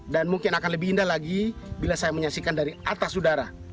dan mungkin akan lebih indah lagi bila saya menyaksikan dari atas udara